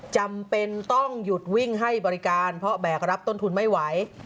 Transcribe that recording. จำเป็นต้องหยุดวิ่งให้บริการเพราะแบกรับต้นทุนไม่ไหว